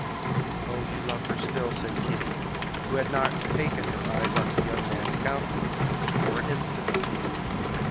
"Oh, you love her still," said Kitty, who had not taken her eyes off the young man's countenance for an instant.